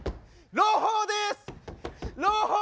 朗報です！